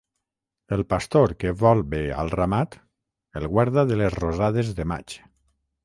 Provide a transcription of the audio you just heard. El pastor que vol bé al ramat, el guarda de les rosades de maig.